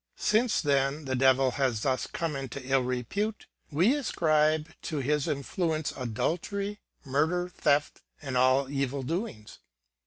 Since then the Devil has thus come into ill repute, we ascribe to his influence adultery, murder, theft, and all evil doings.